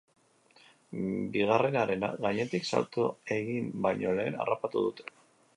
Bigarrenaren gainetik salto egin baino lehen harrapatu dute.